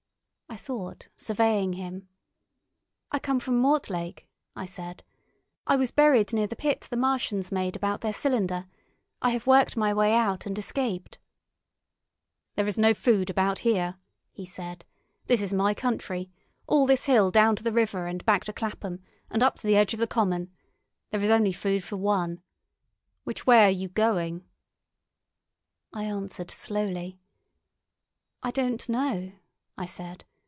I thought, surveying him. "I come from Mortlake," I said. "I was buried near the pit the Martians made about their cylinder. I have worked my way out and escaped." "There is no food about here," he said. "This is my country. All this hill down to the river, and back to Clapham, and up to the edge of the common. There is only food for one. Which way are you going?" I answered slowly. "I don't know," I said.